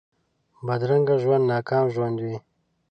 بدرنګه ژوند ناکام ژوند وي